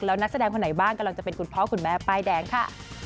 แล้วนักแสดงคนไหนบ้างกำลังจะเป็นคุณพ่อคุณแม่ป้ายแดงค่ะ